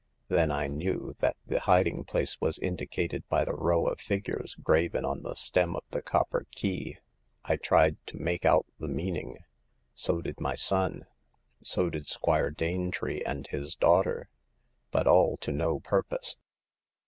Then I knew that the hiding place was indicated by the row of figures graven on the stem of the copper key. I tried to make out the meaning ; so did my son ; so did Squire Danetree and his daughter. But all to no purpose.